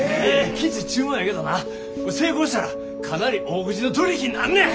きつい注文やけどな成功したらかなり大口の取り引きになんねん。